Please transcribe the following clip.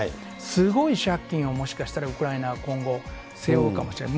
すごい借金をもしかしたらウクライナは今後、背負うかもしれない。